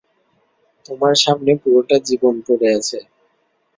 তোমার সামনে পুরোটা জীবন পড়ে আছে।